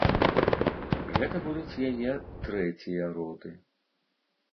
Гэта будуць яе трэція роды.